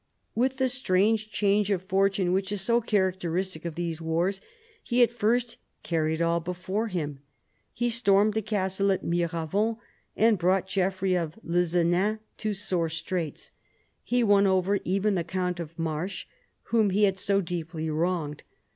With the strange change of fortune which is so characteristic of these wars, he at first carried all before him. He stormed the castle of Miravent, and brought Geoffrey of Lezinan to sore straits. He won over even the count of Marche whom he had so deeply wronged.